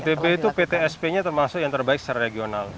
tb itu ptsp nya termasuk yang terbaik secara regional